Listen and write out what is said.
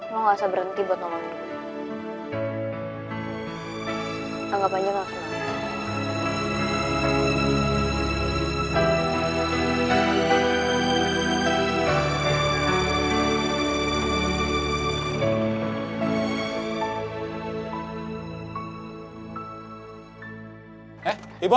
lo gak usah berhenti buat nolong gue